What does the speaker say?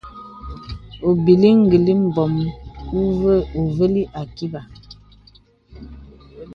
Obìì gə̀lì mbɔ̄m uvəlì àkibà.